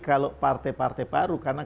kalau partai partai baru karena